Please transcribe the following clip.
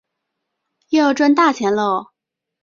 又要赚大钱啰